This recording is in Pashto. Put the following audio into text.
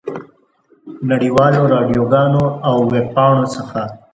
نړۍ والو راډیوګانو او ویبپاڼو څخه.